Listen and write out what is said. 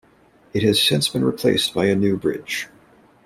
It has since been replaced by a new bridge.